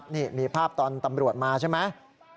นี่มีภาพตอนตำรวจมาใช่ไหม